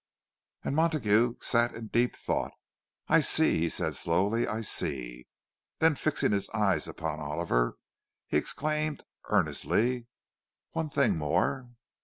And Montague sat in deep thought. "I see," he said slowly; "I see!" Then, fixing his eyes upon Oliver, he exclaimed, earnestly, "One thing more!"